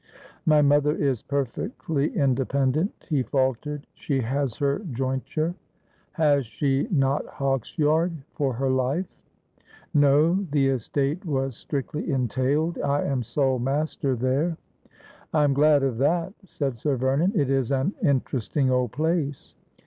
' My mother is perfectly independent,' he faltered. ' She has her jointure.' ' Has she not Hawksyard for her life ?'' No ; the estate was strictly entailed. I am sole master there.' ' I am glad of that,' said Sir Vernon. ' It is an interesting old place.'